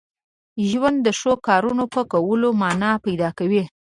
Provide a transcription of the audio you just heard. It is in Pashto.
ژوند د ښو کارونو په کولو مانا پیدا کوي.